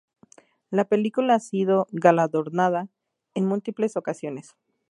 La película ha sido galardonada en múltiples ocasiones.